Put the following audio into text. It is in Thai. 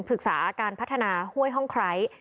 ปรึกษาการพัฒนาห้วยห้องไคร้